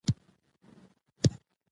د غږ ډول نرم او کلک کېدی سي.